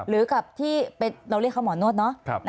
หรือกับที่เราเรียกเขาหมอนวดเนอะ